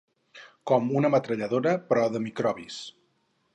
Com una metralladora però de microbis.